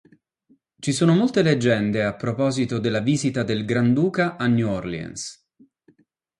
Ci sono molte leggende a proposito della visita del Granduca a New Orleans.